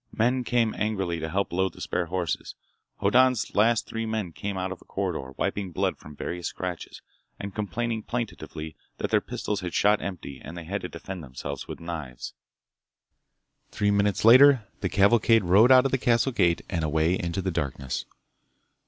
Men came angrily to help load the spare horses. Hoddan's last three men came out of a corridor, wiping blood from various scratches and complaining plaintively that their pistols had shot empty and they'd had to defend themselves with knives. Three minutes later the cavalcade rode out of the castle gate and away into the darkness.